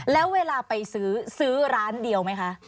แล้วเวลาไปซื้อซื้อร้านเดียวไหมคะ